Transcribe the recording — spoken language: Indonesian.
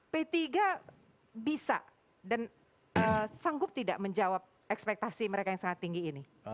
p tiga bisa dan sanggup tidak menjawab ekspektasi mereka yang sangat tinggi ini